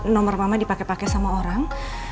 nomor mama dipake pake sama orang